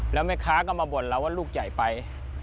แล้วแม่ค้าก็มาบ่นเราว่าลูกใหญ่ไป